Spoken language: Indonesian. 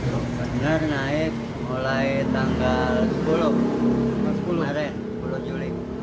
benar benar naik mulai tanggal sepuluh juli